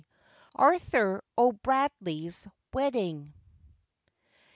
ARTHUR O'BRADLEY'S WEDDING.